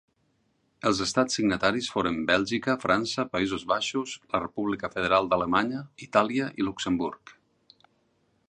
Els estats signataris foren Bèlgica, França, Països Baixos, la República Federal d'Alemanya, Itàlia i Luxemburg.